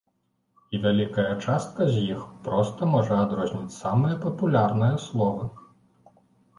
І вялікая частка з іх проста можа адрозніць самыя папулярныя словы.